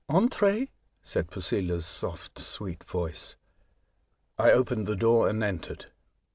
*' Entrez,'' said Posela's soft, sweet voice. I opened the door and entered.